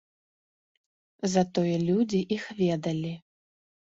Затое людзі іх ведалі.